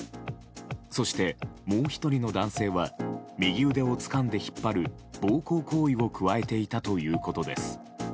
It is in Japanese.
そして、もう１人の男性は右腕をつかんで引っ張る暴行行為を加えていたということです。